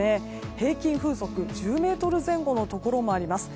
平均風速１０メートル前後のところもあります。